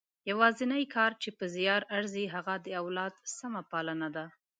یوازنۍ کار چې په زیار ارزي هغه د اولاد سمه پالنه ده.